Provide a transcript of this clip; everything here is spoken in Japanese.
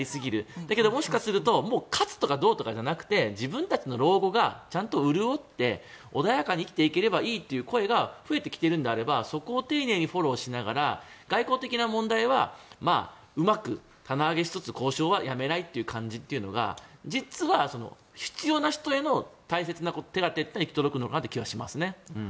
だけどもしかすると勝つとかどうとかじゃなくて自分たちの老後がちゃんと潤って穏やかに生きていければいいという声が増えてきているのであればそこを丁寧にフォローしながら外交的な問題はうまく棚上げしつつ交渉はやめない感じというのが実は必要な人への大切な手当というのが行き届くのかなという気がします。